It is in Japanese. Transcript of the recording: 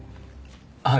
はい。